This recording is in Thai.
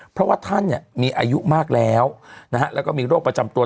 เพราะว่าท่านเนี่ยมีอายุมากแล้วนะฮะแล้วก็มีโรคประจำตัว